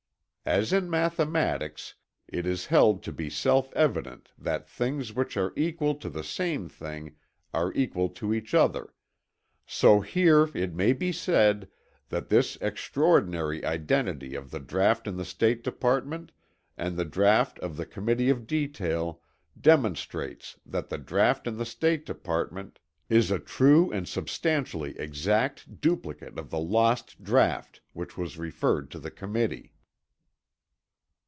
As in mathematics it is held to be self evident that things which are equal to the same thing are equal to each other, so here it may be said that this extraordinary identity of the draught in the State Department and the draught of the Committee of Detail demonstrates that the draught in the State Department is a true and substantially exact duplicate of the lost draught which was referred to the Committee.